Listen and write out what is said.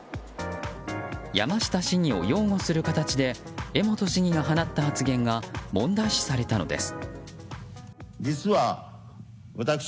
山下市議を擁護する形で江本市議が放った発言が問題視されたのです。